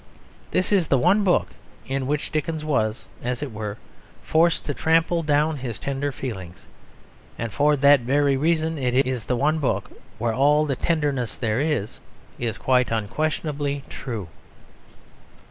This is the one book in which Dickens was, as it were, forced to trample down his tender feelings; and for that very reason it is the one book where all the tenderness there is is quite unquestionably true.